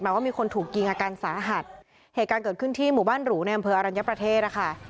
ว่ามีคนถูกยิงอาการสาหัสเหตุการณ์เกิดขึ้นที่หมู่บ้านหรูในอำเภออรัญญประเทศนะคะ